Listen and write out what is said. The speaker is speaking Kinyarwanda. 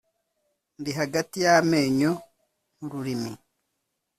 ndi hagati y'amenyo nk'ururimi